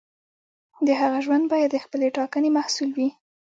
د هغه ژوند باید د خپلې ټاکنې محصول وي.